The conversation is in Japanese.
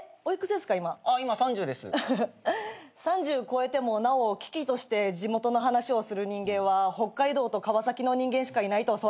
３０超えてもなお喜々として地元の話をする人間は北海道と川崎の人間しかいないと教わりました。